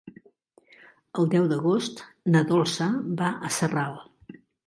El deu d'agost na Dolça va a Sarral.